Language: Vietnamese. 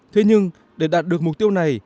thế nhưng để đạt được mục tiêu này